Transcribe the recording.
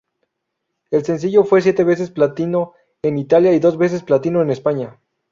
El sencillo fue siete veces platino en Italia y dos veces platino en España.